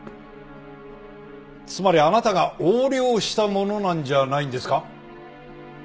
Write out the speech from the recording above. つまりあなたが横領したものなんじゃないんですか？